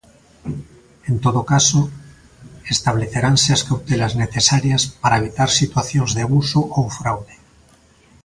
"En todo caso, estableceranse as cautelas necesarias para evitar situacións de abuso ou fraude".